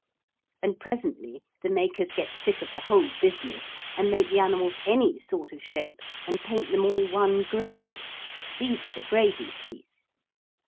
And presently the makers get sick of the whole business and make the animals any sort of shape and paint them all one grey these are the graibeestes.